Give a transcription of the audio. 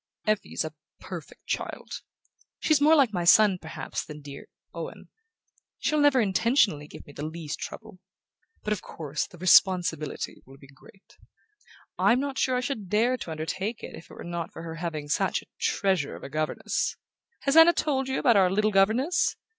"Effie's a perfect child. She's more like my son, perhaps, than dear Owen. She'll never intentionally give me the least trouble. But of course the responsibility will be great...I'm not sure I should dare to undertake it if it were not for her having such a treasure of a governess. Has Anna told you about our little governess?